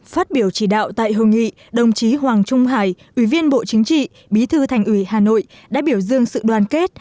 phát biểu chỉ đạo tại hội nghị đồng chí hoàng trung hải ủy viên bộ chính trị bí thư thành ủy hà nội đã biểu dương sự đoàn kết